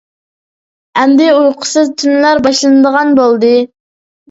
ئەمدى ئۇيقۇسىز تۈنلەر باشلىنىدىغان بولدى.